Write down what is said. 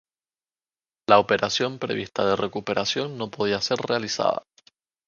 La operación prevista de recuperación no podía ser realizada.